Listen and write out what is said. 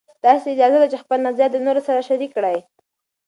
تاسې ته اجازه ده چې خپل نظریات د نورو سره شریک کړئ.